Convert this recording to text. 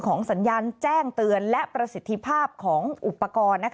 สัญญาณแจ้งเตือนและประสิทธิภาพของอุปกรณ์